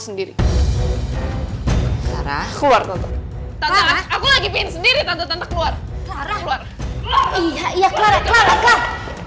sendiri keluar aku lagi pingin sendiri tante keluar keluar keluar keluar keluar keluar